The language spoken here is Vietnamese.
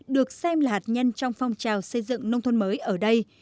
được xem là hạt nhân trong phong trào xây dựng nông thôn mới ở đây